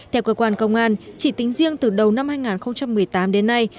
theo cơ quan công an chỉ tính riêng từ đầu năm hai nghìn một mươi tám đến nay